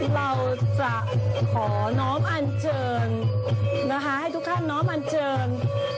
เราจะขอน้อมอันเชิญนะคะให้ทุกท่านน้อมอันเชิญ